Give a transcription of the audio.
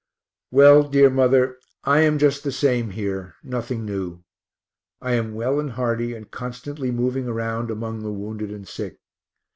Well, dear mother, I am just the same here nothing new. I am well and hearty, and constantly moving around among the wounded and sick.